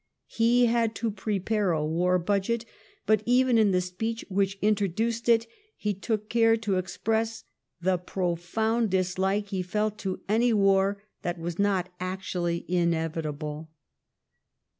He had to prepare a war budget, but even in the speech which introduced it he took care to express the profound dislike he felt to any war that was not actually inevitable.